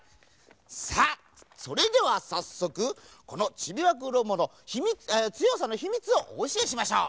さあそれではさっそくこのチビワクロボのつよさのひみつをおおしえしましょう！